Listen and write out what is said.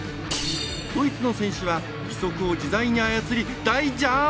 ドイツの選手は義足を自在に操り大ジャンプ！